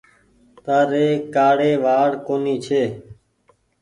تآري ڪآڙي وآڙ ڪونيٚ ڇي۔